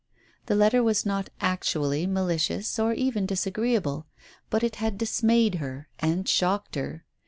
The letter was not actually malicious or even disagree able, but it had dismayed her, and shocked her.